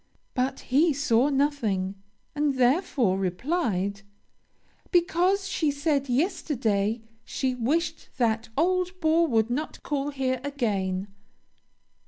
But he saw nothing, and therefore replied, 'Because, she said yesterday, she wished that old bore would not call here again.'